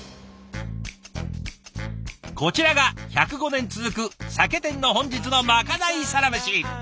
こちらが１０５年続く酒店の本日のまかないサラメシ。